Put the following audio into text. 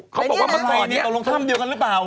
เขาบอกว่าเมื่อก่อนนี้ตกลงถ้ำเดียวกันหรือเปล่า